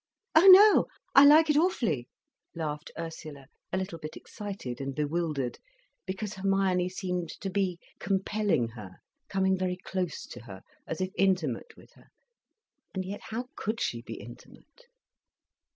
"Oh no, I like it awfully," laughed Ursula, a little bit excited and bewildered, because Hermione seemed to be compelling her, coming very close to her, as if intimate with her; and yet, how could she be intimate?